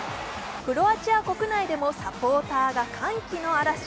クロアチア国内でもサポーターが歓喜の嵐。